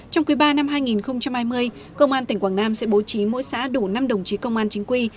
trong quý ba năm hai nghìn hai mươi công an tỉnh quảng nam sẽ bố trí mỗi xã đủ năm đồng chí công an chính quy